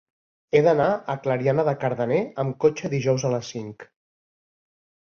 He d'anar a Clariana de Cardener amb cotxe dijous a les cinc.